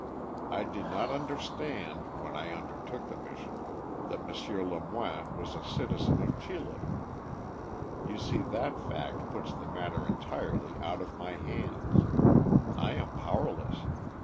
I did not understand, when I undertook the mission, that M. Lemoine was a citizen of Chili. You see that fact puts the matter entirely out of my hands. I am powerless.